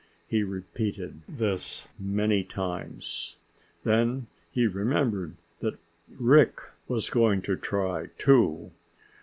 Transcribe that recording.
He repeated this many times. Then he remembered that Rick was going to try, too.